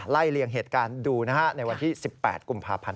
เลียงเหตุการณ์ดูนะฮะในวันที่๑๘กุมภาพันธ์